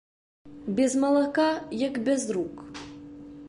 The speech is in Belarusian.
Без малака як без рук.